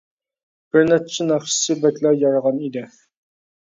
بىر نەچچە ناخشىسى بەكلا يارىغان ئىدى.